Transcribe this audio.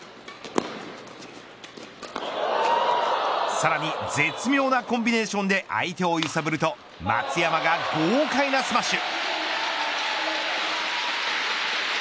さらに絶妙なコンビネーションで相手を揺さぶると松山が豪快なスマッシュ。